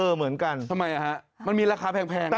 เหมือนกันดิศัพท์ทำไมคะมันมีราคาแพง